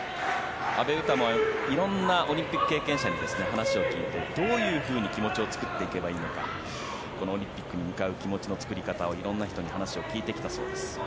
阿部詩も色んなオリンピック経験者に話を聞いてどういうふうに気持ちを作っていけばいいのかこのオリンピックに向かう気持ち作り方を色んな人に話を聞いてきたそうです。